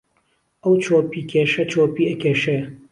ئهو چۆپیکێشه چۆپی ئهکێشێ